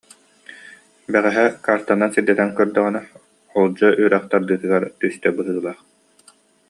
Бэҕэһээ картанан сирдэтэн көрдөҕүнэ Олдьо үрэх тардыытыгар түстэ быһыылаах